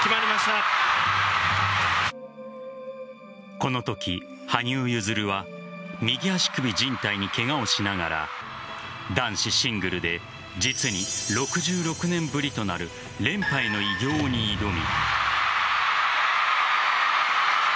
このとき、羽生結弦は右足首靭帯にけがをしながら男子シングルで実に６６年ぶりとなる連覇への偉業に挑み。